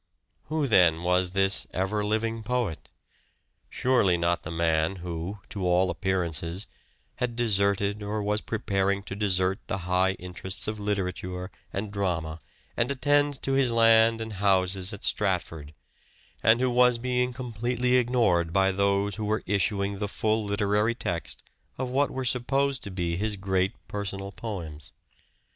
Who then was this " ever living poet "? Surely not the man who, to all appear ances, had deserted or was preparing to desert the high interests of literature and drama and attend to his land and houses at Stratford, and who was being completely ignored by those who were issuing the full literary text of what were supposed to be his great personal poems.